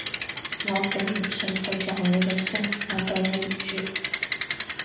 我頂唔順佢嚼嘢嘅聲，我對你唔住